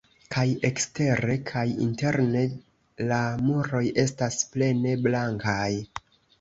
Kaj ekstere kaj interne la muroj estas plene blankaj.